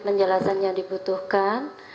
penjelasan yang dibutuhkan